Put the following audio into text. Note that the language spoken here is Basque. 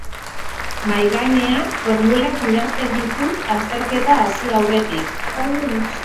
Mahaigainean formulak idazten ditut azterketa hasi aurretik.